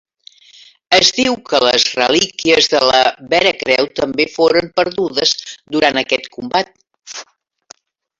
Es diu que les relíquies de la veracreu també foren perdudes durant aquest combat.